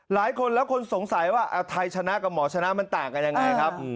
หลายคนแล้วคนสงสัยว่าไทยชนะกับหมอชนะมันต่างกันยังไงครับ